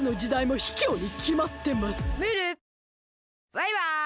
バイバイ。